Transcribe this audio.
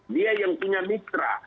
dia yang punya mitra